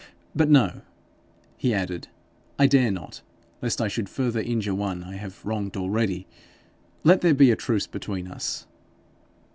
'But no,' he added, 'I dare not, lest I should further injure one I have wronged already. Let there be a truce between us.'